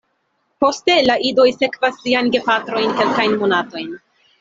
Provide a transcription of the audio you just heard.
Poste la idoj sekvas siajn gepatrojn kelkajn monatojn.